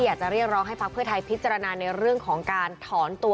อยากจะเรียกร้องให้พักเพื่อไทยพิจารณาในเรื่องของการถอนตัว